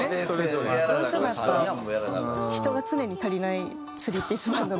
どうしても人が常に足りないスリーピースバンドなので。